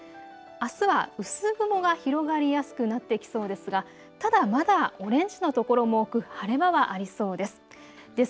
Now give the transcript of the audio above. あすは薄雲が広がりやすくなってきそうですがただまだ、オレンジのところも多く晴れ間はありそうです。